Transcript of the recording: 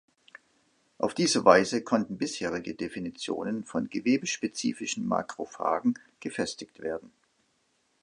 Auf diese Weise konnten bisherige Definitionen von Gewebe-spezifischen Makrophagen gefestigt werden.